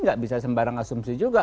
nggak bisa sembarang asumsi juga